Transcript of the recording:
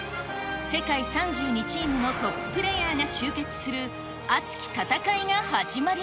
世界３２チームのトッププレーヤーが集結する熱き戦いが始まり